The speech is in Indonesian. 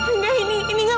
tidak tidak tidak